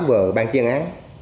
về ban chuyên án